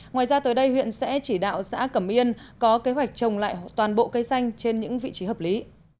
ngoài ra tới đây huyện sẽ chỉ đạo xã cẩm yên có kế hoạch trồng lại toàn bộ cây xanh trên những vị trí hợp lý